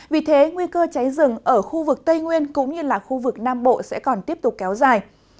vì thế nguy cơ cháy rừng ở khu vực tây nguyên cũng như là khu vực nam bộ sẽ còn tiếp tục kéo dài